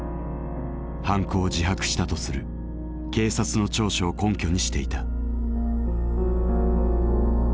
犯行を自白したとする警察の調書を根拠にしていた。